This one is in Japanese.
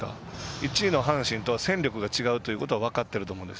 １位の阪神と戦力が違うというのは分かっていると思います。